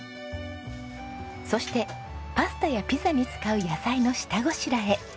そしてパスタやピザに使う野菜の下ごしらえ。